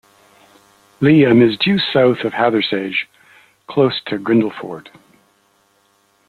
Leam is due south of Hathersage, close to Grindleford.